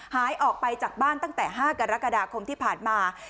หายออกไปจากบ้านตั้งแต่๕กรกฎาคมที่ผ่านมา